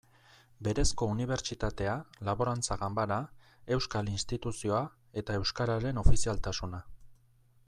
Berezko unibertsitatea, Laborantza Ganbara, Euskal Instituzioa eta euskararen ofizialtasuna.